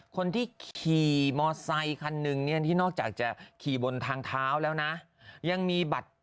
คนที่ขี่มอเซ้คันหนึ่งที่นอกจากจะขี่บนทางเท้าแล้วนะ